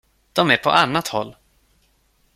De är på annat håll.